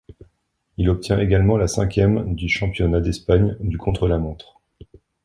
Il obtient également la cinquième du championnat d'Espagne du contre-la-montre.